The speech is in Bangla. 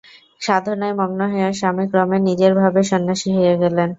সাধনায় মগ্ন হইয়া স্বামী ক্রমে নিজের ভাবে সন্ন্যাসী হইয়া গেলেন।